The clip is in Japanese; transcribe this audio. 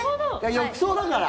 浴槽だから。